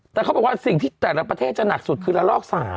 แต่เขาบอกว่าสิ่งที่แต่ละประเทศจะหนักสุดคือละลอก๓